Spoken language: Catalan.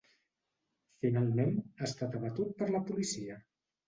Finalment, ha estat abatut per la policia.